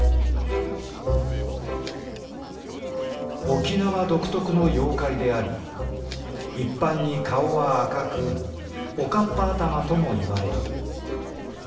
「沖縄独特の妖怪であり一般に顔は赤くおかっぱ頭ともいわれる」。